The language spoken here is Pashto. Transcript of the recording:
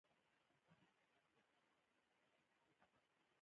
د پښتو د ثبت پروسه په ګټور ډول روانه ده.